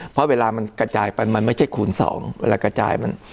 เพราะเวลามันกระจายไปมันไม่ใช่คูณ๒เวลากระจายมัน